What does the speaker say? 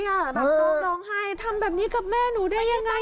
แบบลูกร้องไห้ทำแบบนี้กับแม่หนูได้ยังไง